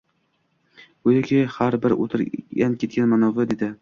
Go‘yoki har bir o‘tgan-ketgan manovi dedi.